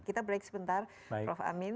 kita break sebentar prof amin